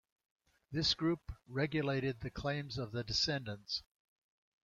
This group regulated the claims of the descendants.